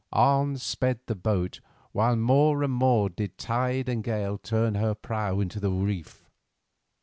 On sped the boat while more and more did tide and gale turn her prow into the reef.